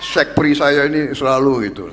sek pri saya ini selalu gitu